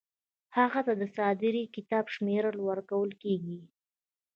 هغه ته د صادرې کتاب شمیره ورکول کیږي.